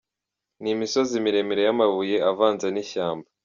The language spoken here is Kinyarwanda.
ni imisozi miremire y'amabuye avanze n'ishyamba.